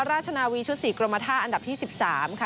ราชนาวีชุดสี่กรมภาษาอันดับที่สิบสามค่ะ